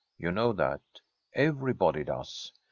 You know that. Everybody does.